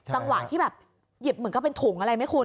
จังหวะที่แบบหยิบเหมือนกับเป็นถุงอะไรไหมคุณ